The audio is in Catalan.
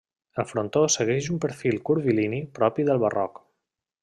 El frontó segueix un perfil curvilini propi del barroc.